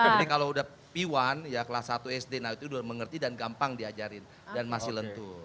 jadi kalau sudah piwan ya kelas satu sd nah itu dia sudah mengerti dan gampang diajarin dan masih lentur